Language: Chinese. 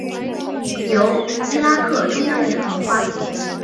由伊拉克中央银行发行。